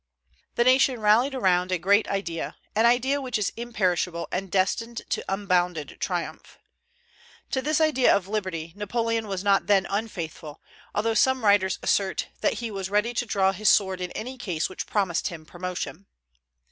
The nation rallied around a great idea, an idea which is imperishable, and destined to unbounded triumph. To this idea of liberty Napoleon was not then unfaithful, although some writers assert that he was ready to draw his sword in any cause which promised him promotion.